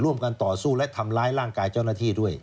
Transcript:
ร่วมกันต่อสู้และทำร้ายร่างกายเจ้าหน้าที่